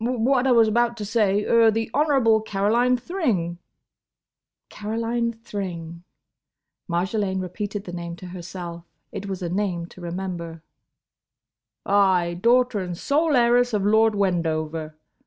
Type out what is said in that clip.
"Hum!—what I was about to say—er—the Honourable Caroline Thring—!" "Caroline Thring"—Marjolaine repeated the name to herself. It was a name to remember. "Ay—daughter and sole heiress of Lord Wendover.